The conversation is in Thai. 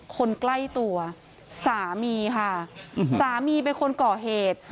คนใกล้ตัวสามีค่ะสามีเป็นคนก่อเหตุ